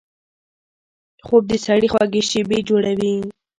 خوب د سړي خوږې شیبې جوړوي